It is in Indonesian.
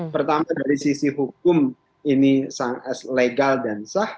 pertama dari sisi hukum ini legal dan sah